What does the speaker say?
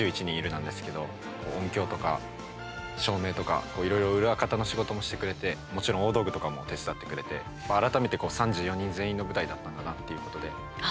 なんですけど音響とか照明とかこういろいろ裏方の仕事もしてくれてもちろん大道具とかも手伝ってくれて改めて３４人全員の舞台だったんだなっていうことで。